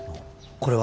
これは？